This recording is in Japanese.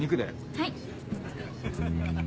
はい。